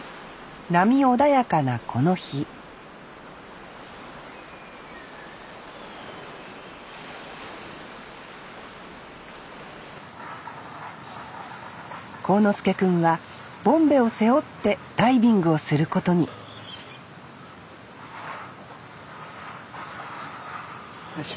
波穏やかなこの日航之介くんはボンベを背負ってダイビングをすることによいしょ。